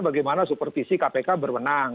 bagaimana supervisi kpk berwenang